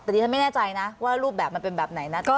แต่ดิฉันไม่แน่ใจนะว่ารูปแบบมันเป็นแบบไหนนะ